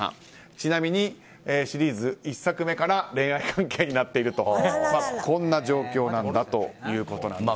ちなみに、シリーズ１作目から恋愛関係になっているという状況ということです。